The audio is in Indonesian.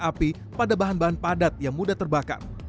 api pada bahan bahan padat yang mudah terbakar